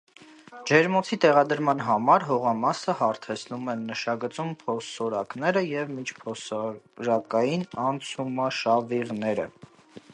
Ջերմոցի տեղադրման համար հողամասը հարթեցնում են, նշագծում փոսորակները և միջփոսորակային անցումաշավիղները։